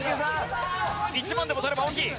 １問でも取れば大きい。